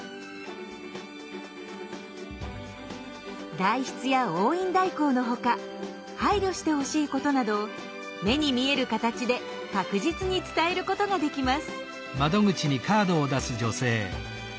代筆や押印代行のほか配慮してほしいことなどを目に見える形で確実に伝えることができます。